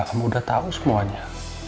kamu udah tau semuanya